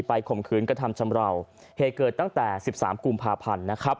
ไปข่มขืนกระทำชำราวเหตุเกิดตั้งแต่๑๓กุมภาพันธ์